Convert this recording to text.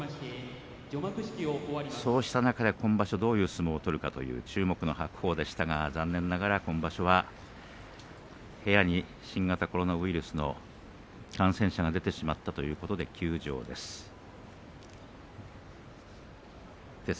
そうした中で今場所どういう相撲を取るのかという注目の白鵬でしたが、残念ながら今場所は部屋に新型コロナウイルスの感染者が出てしまったということで休場です。